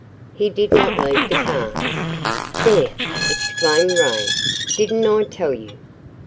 He did not leave the car. "There!" exclaimed Ray. "Didn't I tell you?